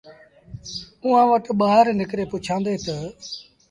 اُئآݩٚ وٽ ٻآهر نڪري پُڇيآندي تا